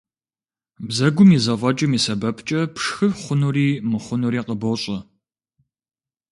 Бзэгум и зэфӀэкӀым и сэбэпкӀэ пшхы хъунури мыхъунури къыбощӀэ.